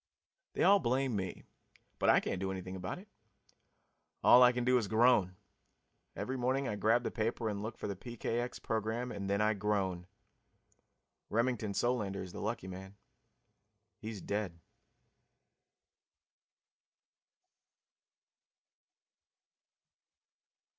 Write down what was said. They all blame me, but I can't do anything about it. All I can do is groan every morning I grab the paper and look for the PKX program and then I groan. Remington Solander is the lucky man he's dead.